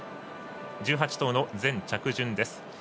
１８頭の全着順です。